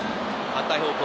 反対方向。